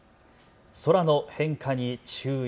空の変化に注意。